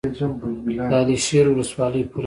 د علي شیر ولسوالۍ پوله لري